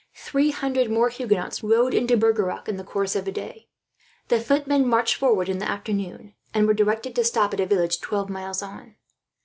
Three hundred more Huguenots rode into Bergerac in the course of the day. The footmen marched forward in the afternoon, and were directed to stop at a village, twelve miles on.